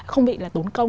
không bị là tốn công